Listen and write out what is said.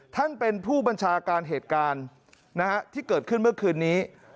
ท่านเป็นผู้บัญชาการเหตุการณ์ที่เกิดขึ้นเมื่อคืนนี้